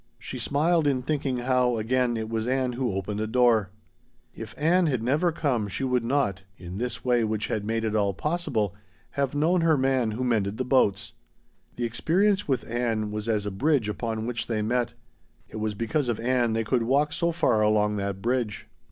She smiled in thinking how, again, it was Ann who opened a door. If Ann had never come she would not in this way which had made it all possible have known her man who mended the boats. The experience with Ann was as a bridge upon which they met. It was because of Ann they could walk so far along that bridge.